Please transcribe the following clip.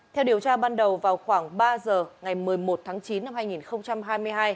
theo điều tra ban đầu vào khoảng ba giờ ngày một mươi một tháng chín năm hai nghìn hai mươi hai